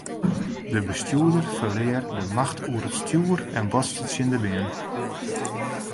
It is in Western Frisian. De bestjoerder ferlear de macht oer it stjoer en botste tsjin in beam.